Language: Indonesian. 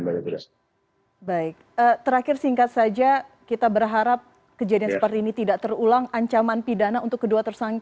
baik terakhir singkat saja kita berharap kejadian seperti ini tidak terulang ancaman pidana untuk kedua tersangka